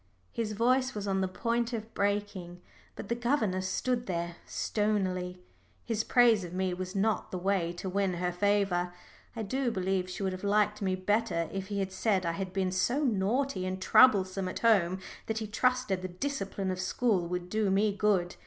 His voice was on the point of breaking, but the governess stood there stonily. His praise of me was not the way to win her favour. I do believe she would have liked me better if he had said I had been so naughty and troublesome at home that he trusted the discipline of school would do me good.